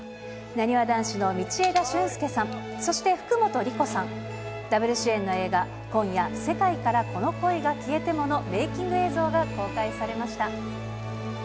なにわ男子の道枝駿佑さん、そして福本莉子さん、ダブル主演の映画、今夜、世界からこの恋が消えてものメイキング映像が公開されました。